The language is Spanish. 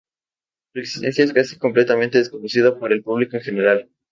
Su existencia es casi completamente desconocida por el público en general.